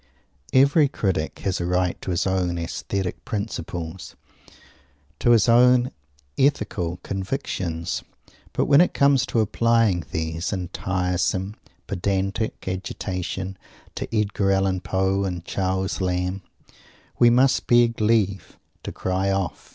Every critic has a right to his own Aesthetic Principles, to his own Ethical Convictions; but when it comes to applying these, in tiresome, pedantic agitation, to Edgar Allen Poe and Charles Lamb, we must beg leave to cry off!